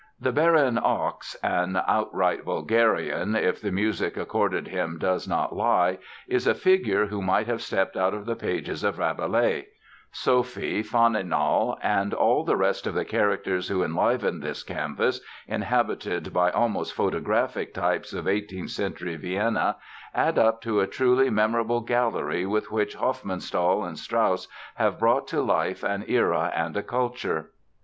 The Baron Ochs, an outright vulgarian, if the music accorded him does not lie, is a figure who might have stepped out of the pages of Rabelais; Sophie, Faninal and all the rest of the characters who enliven this canvas inhabited by almost photographic types of 18th Century Vienna add up to a truly memorable gallery with which Hofmannsthal and Strauss have brought to life an era and a culture.